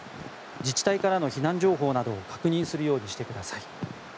自治体からの避難情報などを確認するようにしてください。